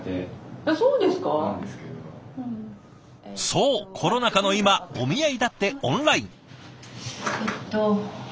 そうコロナ禍の今お見合いだってオンライン。